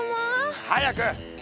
早く！